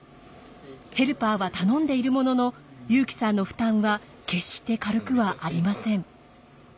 ヘルパーは頼んでいるものの優輝さんの負担は決して軽くはありません。